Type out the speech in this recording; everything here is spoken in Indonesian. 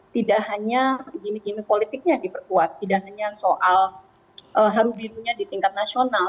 tidak hanya gimik gimik politiknya yang diperkuat tidak hanya soal haru birunya di tingkat nasional